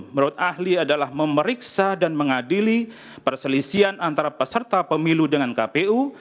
menurut ahli adalah memeriksa dan mengadili perselisian antara peserta pemilu dengan kpu